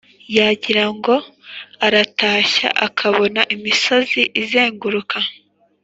yagira ngo aratashye akabona imisozi izenguruka